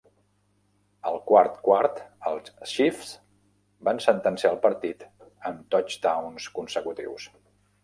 Al quart quart, els Chiefs van sentenciar el partit amb touchdowns consecutius.